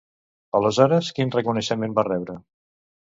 Aleshores, quin reconeixement va rebre?